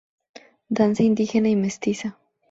Danza indígena y mestiza.